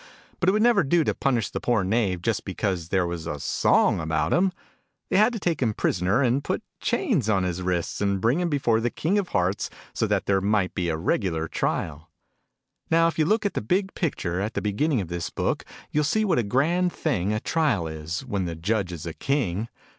But it would never do to punish the poor Knave, just because there was a Sony about him. They had to take Digitized by Google 50 THE NURSERY "ALICE." him prisoner, and put chains on his wrists, and bring him before the King of Hearts, so that there might be a regular trial. Now, if you look at the big picture, at the beginning of this book, you'll see what a grand thing a trial is, when the Judge is a King